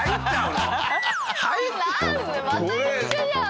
なんでまた一緒じゃん！